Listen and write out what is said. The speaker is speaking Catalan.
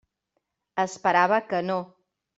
Esperava que no.